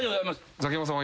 ザキヤマさんは？